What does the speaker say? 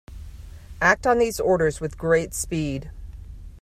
Act on these orders with great speed.